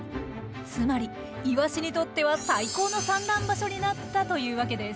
つまりイワシにとっては最高の産卵場所になったというわけです。